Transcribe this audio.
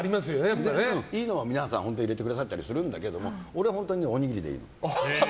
いいのを皆さん入れてくださったりするんだけど俺、本当におにぎりでいい。